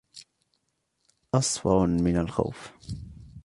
اصفر من الخوف